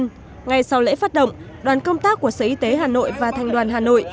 tuy nhiên ngày sau lễ phát động đoàn công tác của sở y tế hà nội và thành đoàn hà nội